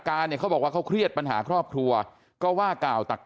เนี่ยเขาบอกว่าเขาเครียดปัญหาครอบครัวก็ว่ากล่าวตัก